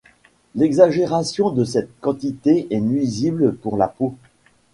L'exagération de cette quantité est nuisible pour la peau.